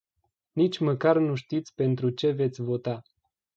Nici măcar nu știți pentru ce veți vota.